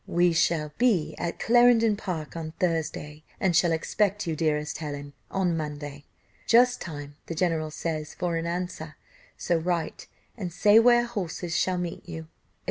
"We shall be at Clarendon Park on Thursday, and shall expect you, dearest Helen, on Monday, just time, the general says, for an answer; so write and say where horses shall meet you," &c.